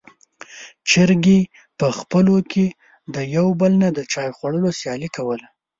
چرګې په خپلو کې د يو بل نه د چای خوړلو سیالي کوله.